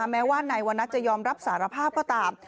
แม้ว่านายวันนัทจะยอมรับสารภาพก็ตาม